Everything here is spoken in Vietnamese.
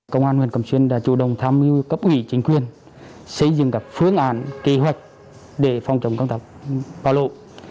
công an huyện cẩm xuyên đã chủ động tham mưu cấp ủy chính quyền xây dựng các phương án kế hoạch để phòng chống công tác bão lũ